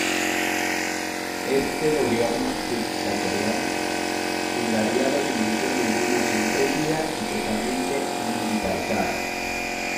Este gobierno dictatorial fundaría los cimientos de una nación rígida y totalmente militarizada.